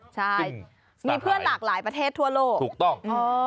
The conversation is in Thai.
ใช่มีเพื่อนหลากหลายประเทศทั่วโลกถูกต้อง